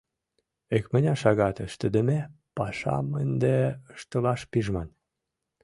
Икмыняр шагат ыштыдыме пашам ынде ыштылаш пижман.